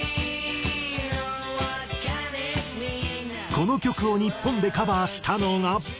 この曲を日本でカバーしたのが。